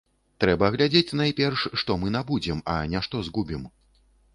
Трэба глядзець найперш, што мы набудзем, а не што згубім.